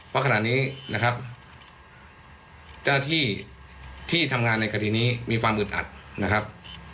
เพราะขณะนี้เนื้อที่ทำงานในคดีนี้มีความอึดอัดนะครับ